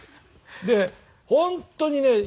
で本当にね